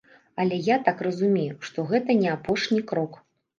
Але я так разумею, што гэта не апошні крок.